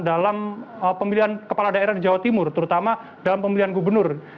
dalam pemilihan kepala daerah di jawa timur terutama dalam pemilihan gubernur